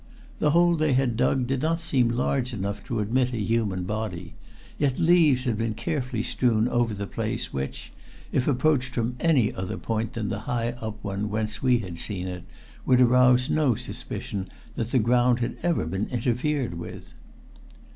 The hole they had dug did not seem large enough to admit a human body, yet leaves had been carefully strewn over the place which, if approached from any other point than the high up one whence we had seen it, would arouse no suspicion that the ground had ever been interfered with.